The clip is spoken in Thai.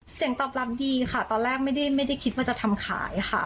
เสียงตอบรับดีค่ะตอนแรกไม่ได้คิดว่าจะทำขายค่ะ